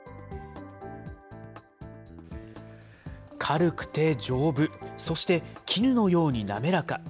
軽くて丈夫、そして絹のように滑らか。